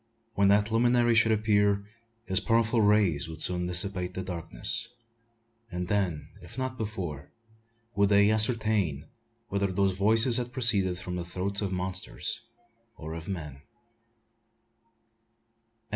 When that luminary should appear, his powerful rays would soon dissipate the darkness; and then, if not before, would they ascertain whether those voices had proceeded from the throats of monsters or of men.